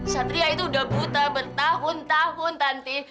satria itu udah buta bertahun tahun nanti